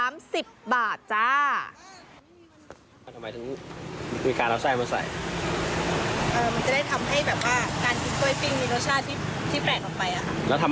มักกล้า